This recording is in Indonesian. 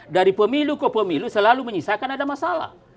dari pemilu ke pemilu selalu menyisakan ada masalah